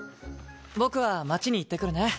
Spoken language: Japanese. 僕は町に行ってくるね。